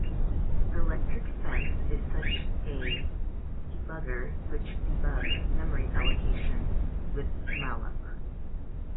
Electric Fence is such a debugger which debugs memory allocation with malloc.